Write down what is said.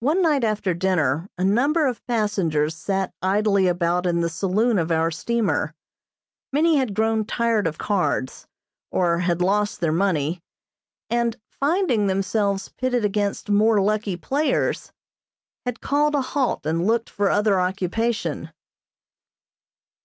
One night after dinner a number of passengers sat idly about in the saloon of our steamer. Many had grown tired of cards, or had lost their money, and, finding themselves pitted against more lucky players, had called a halt and looked for other occupation.